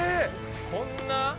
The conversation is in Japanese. こんな？